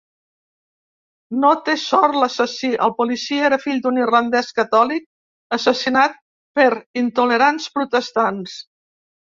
No té sort l'assassí, el policia era fill d'un irlandès catòlic, assassinat per intolerants protestants.